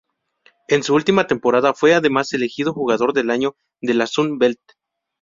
En su última temporada fue además elegido Jugador del Año de la Sun Belt.